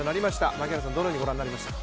槙原さん、どのようにご覧になりましたか？